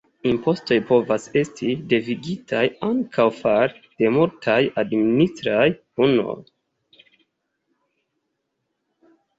Impostoj povas esti devigitaj ankaŭ fare de multaj administraj unuoj.